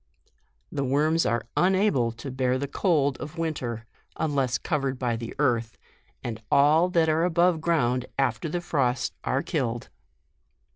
The worms are unable to bear the cold of winter, unless covered by the earth, and all that are above ground after frost are killed.